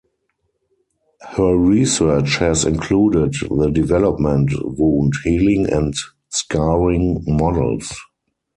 Her research has included the development wound healing and scarring models.